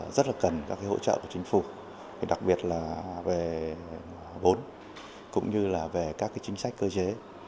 rất là cần các hỗ trợ của chính phủ đặc biệt là về vốn cũng như là về các chính sách cơ chế